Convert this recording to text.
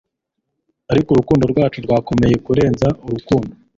ariko urukundo rwacu rwakomeye kurenza urukundo